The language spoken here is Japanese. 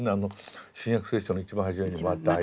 「新約聖書」の一番初めにマタイ。